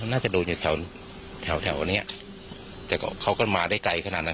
น่าจะโดนอยู่แถวแถวแถวเนี้ยแต่ก็เขาก็มาได้ไกลขนาดนั้น